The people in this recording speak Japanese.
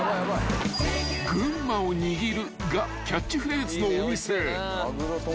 ［「群馬を握る」がキャッチフレーズのお店］